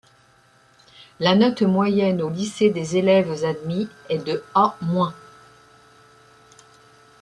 La note moyenne au lycée des élèves admis est de A-.